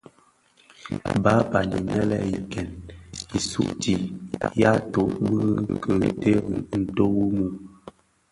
Bààban inë le i ken, i sugtii, yaa tôg bì ki teri ntó wu mum.